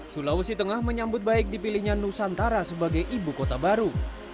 sulawesi tengah menyambut baik dipilihnya nusantara sebagai ibu kota baru